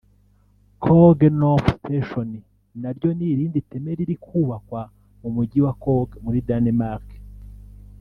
Køge North Station naryo n’irindi teme riri kubakwa mu Mujyi wa Køge muri Denmark